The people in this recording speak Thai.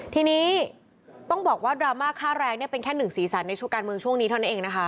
ทีนี้ต้องบอกว่าดราม่าค่าแรงเป็นแค่๑ศีรษรในการเมืองช่วงนี้เท่านั้นเองนะคะ